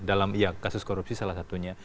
dalam kasus korupsi salah satunya